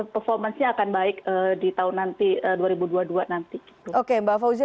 performa akan baik di tahun nanti dua ribu dua puluh dua nanti oke mbak fauzia